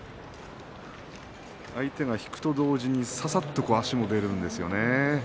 相手が引くと同時にささっと足も出るんですよね。